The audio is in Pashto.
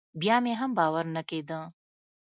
بيا مې هم باور نه کېده.